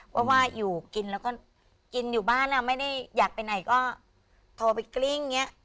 เพราะว่าอยู่กินแล้วก็กินอยู่บ้านไม่ได้อยากไปไหนก็โทรไปกลิ้งอย่างนี้